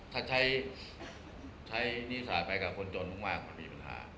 ถ้าใช้นิศาสตร์ไปกับคนจนมากมันมีปัญหา